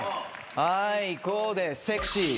あいこでセクシー。